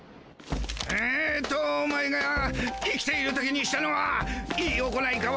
えっとお前が生きている時にしたのはいい行いか悪い行い